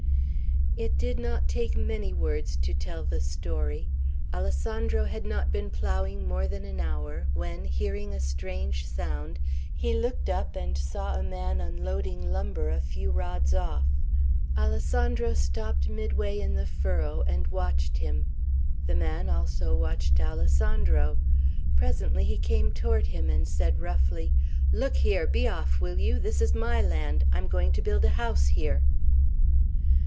It did not take many words to tell the story. Alessandro had not been ploughing more than an hour, when, hearing a strange sound, he looked up and saw a man unloading lumber a few rods off'. Alessandro stopped midway in the furrow and watched him. The man also watched Alessandro. Presently he came toward him, and said roughly, "Look here! Be off, will you? This is my land. I'm going to build a house here."